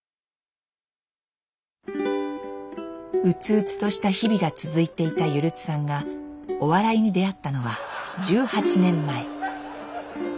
うつうつとした日々が続いていたゆるつさんがお笑いに出会ったのは１８年前。